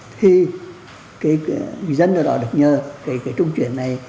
thì cái người dân ở đó được nhờ cái trung chuyển này